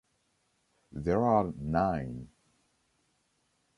There are nine.